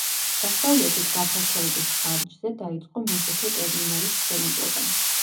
დასავლეთით გაფართოების ხარჯზე დაიწყო მეხუთე ტერმინალის მშენებლობა.